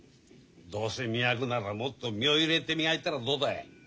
どうせ磨くならもっと身を入れて磨いたらどうだい。